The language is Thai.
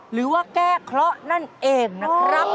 หรือว่าแก้เคราะห์นั่นเองนะครับ